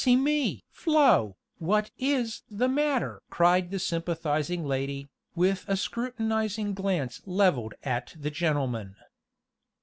"Lassy me! Flo, what is the matter?" cried the sympathizing lady, with a scrutinizing glance leveled at the gentleman.